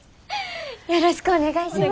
よろしくお願いします。